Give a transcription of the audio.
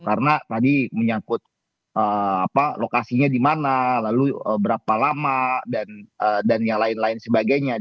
karena tadi menyangkut lokasinya dimana lalu berapa lama dan yang lain lain sebagainya